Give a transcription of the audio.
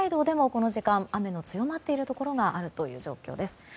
この時間雨の強まっているところがあるという状況です。